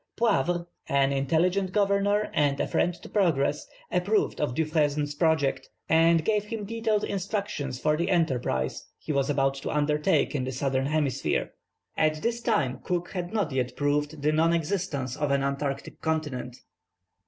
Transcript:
Poivre, an intelligent governor and a friend to progress, approved of Dufresne's projects, and gave him detailed instructions for the enterprise he was about to undertake in the Southern Hemisphere. At this time Cook had not yet proved the non existence of an Antarctic Continent.